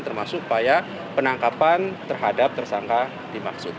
termasuk upaya penangkapan terhadap tersangka dimaksud